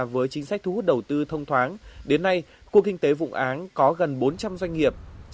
với chính sách thu hút đầu tư thông thoáng đến nay khu kinh tế vụ án có gần bốn trăm linh doanh nghiệp